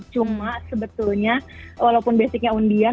cuma sebetulnya walaupun basicnya undian